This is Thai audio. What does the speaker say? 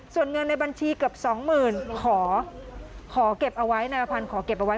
ส่วนเงินในบัญชีเกือบสองหมื่นขอขอเก็บเอาไว้นายอภัณฑ์ขอเก็บเอาไว้